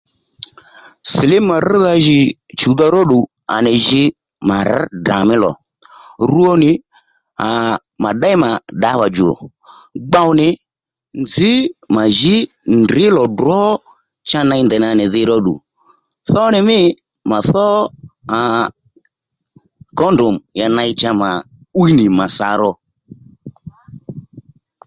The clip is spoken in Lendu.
Silimu rŕdha jì chùwdha róddù à nì jǐ mà rř Ddrà mí lò rwo nì aa mà ddéy mà ddǎwà djò gbow nì nzǐ mà jǐ ndrř lò ddrǒ cha ney ndèy nǎ nì dhi ró ddù tho nì mî mà thó aa kóndòm ya ney cha mà ɦwíy nì mà sǎ rò